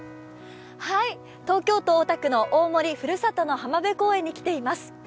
東京都大田区の大森ふるさとの浜辺公園に来ています。